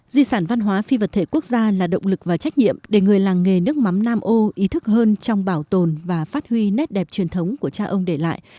di sản văn hóa phi vật thể quốc gia là động lực và trách nhiệm để người làng nghề nước mắm nam ô ý thức hơn trong bảo tồn và phát huy nét đẹp truyền thống của cha ông để lại